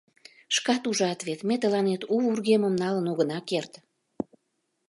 Шкат ужат вет: ме тылат у вургемым налын огына керт.